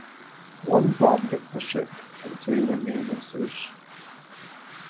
One bomb hit the ship and two were near misses.